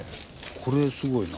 これすごいな。